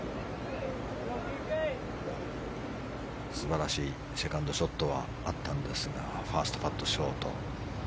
素晴らしいセカンドショットはあったんですがファーストパット、ショート。